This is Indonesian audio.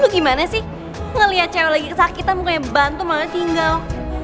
lu gimana sih ngeliat cewek lagi kesakitan mukanya bantu malah tinggal